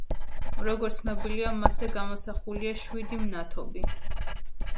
როგორც ცნობილია, მასზე გამოსახულია შვიდი მნათობი.